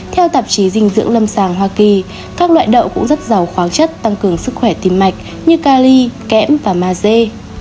theo tạp chí dinh dưỡng lâm sàng hoa kỳ các loại đậu cũng rất giàu khoáng chất tăng cường sức khỏe tim mạch như cali kẽm và ma dê